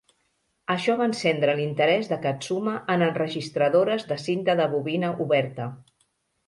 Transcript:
Això va encendre l'interès de Katsuma en enregistradores de cinta de bobina oberta.